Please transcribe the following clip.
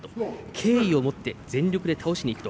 敬意を持って全力で倒しにいくと。